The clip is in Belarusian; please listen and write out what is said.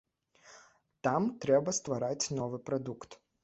Там трэба ствараць новы прадукт.